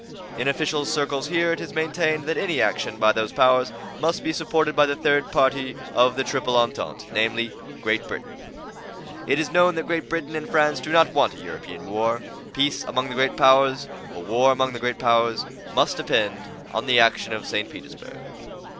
In official circles here it is maintained that any action by those powers must be supported by the third party to the Triple Entente, namely, Great Britain. It is known that Great Britain and France do not want a European War. Peace among the great powers must depend upon the action of St. Petersburg.